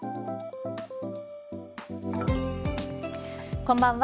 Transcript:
こんばんは。